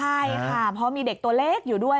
ใช่ค่ะเพราะมีเด็กตัวเล็กอยู่ด้วย